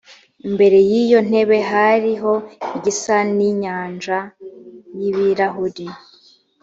imbere y iyo ntebe hariho igisa n inyanja y ibirahuri